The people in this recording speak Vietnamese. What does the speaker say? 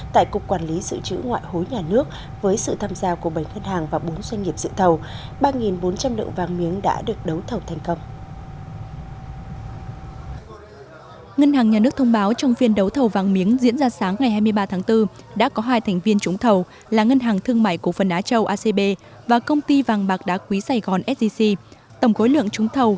tại cục quản lý sự chữ ngoại hối nhà nước với sự tham gia của bảy thân hàng và bốn doanh nghiệp sự thầu